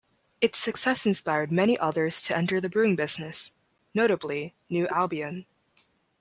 Its success inspired many others to enter the brewing business, notably New Albion.